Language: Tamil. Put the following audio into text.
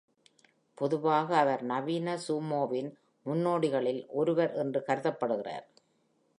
பொதுவாக அவர் நவீன சூமோவின் முன்னோடிகளில் ஒருவர் என்று கருதப்படுகிறார்.